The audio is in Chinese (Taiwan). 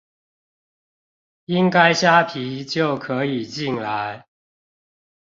應該蝦皮就可以進來